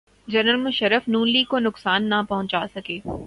General Musharraf Noon league کو نقصان نہ پہنچا سکے۔